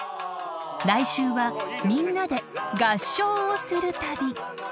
［来週はみんなで合唱をする旅］